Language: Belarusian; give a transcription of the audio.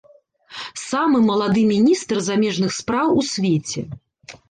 Самы малады міністр замежных спраў у свеце.